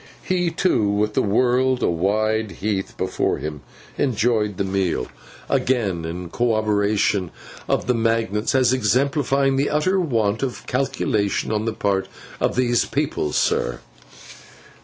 He too, with the world a wide heath before him, enjoyed the meal—again in corroboration of the magnates, as exemplifying the utter want of calculation on the part of these people, sir.